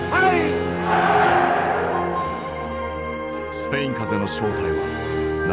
スペイン風邪の正体は謎だった。